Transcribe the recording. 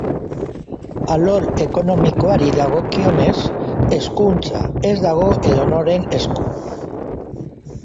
Alor ekonomikoari dagokionez, hezkuntza ez dago edonoren esku.